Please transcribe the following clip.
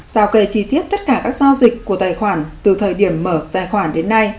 sao kê chi tiết tất cả các giao dịch của tài khoản từ thời điểm mở tài khoản đến nay